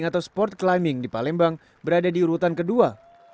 pemimpin kelima di palembang berada di urutan kedua